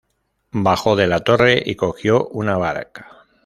Bajó de la torre y cogió una barca.